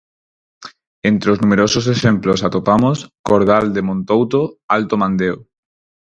Entre os numerosos exemplos atopamos: Cordal de Montouto, Alto Mandeo.